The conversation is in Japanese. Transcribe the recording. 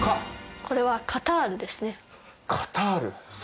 これはカタールですね。